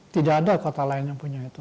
tidak ada kota lain yang punya itu